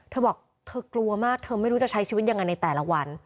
เธอบอกเธอกลัวมากเธอไม่รู้จะใช้ชีวิตยังไงในแต่ละวัน